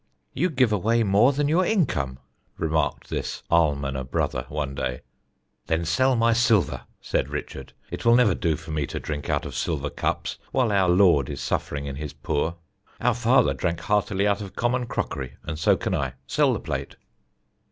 "You give away more than your income," remarked this almoner brother one day. "Then sell my silver," said Richard, "it will never do for me to drink out of silver cups while our Lord is suffering in His poor. Our father drank heartily out of common crockery, and so can I. Sell the plate."